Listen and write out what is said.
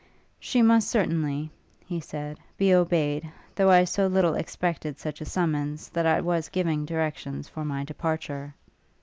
'She must certainly,' he said, 'be obeyed; though I so little expected such a summons, that I was giving directions for my departure.'